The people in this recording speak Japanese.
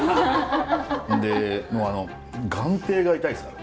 でもう眼底が痛いですからね。